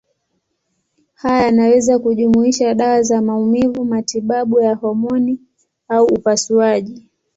Haya yanaweza kujumuisha dawa za maumivu, matibabu ya homoni au upasuaji.